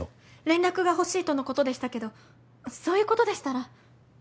連絡が欲しいとの事でしたけどそういう事でしたら。